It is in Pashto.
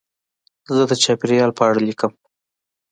زه د چاپېریال په اړه لیکم.